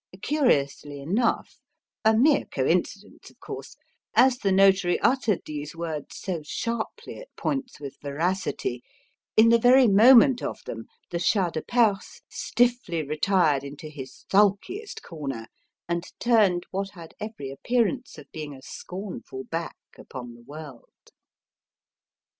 Curiously enough a mere coincidence, of course as the Notary uttered these words so sharply at points with veracity, in the very moment of them, the Shah de Perse stiffly retired into his sulkiest corner and turned what had every appearance of being a scornful back upon the world.